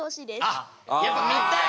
あっやっぱ見たい。